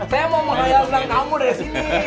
saya mau menghaya hayain kamu dari sini